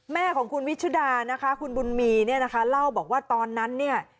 แม่ของคุณวิชุดานะคะคุณบุญมีเนี่ยนะคะเล่าบอกว่าตอนนั้นเนี่ย